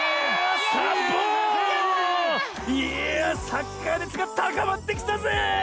いやサッカーねつがたかまってきたぜ！